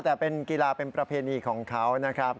แต่เป็นกีฬาเป็นประเพณีของเขานะครับ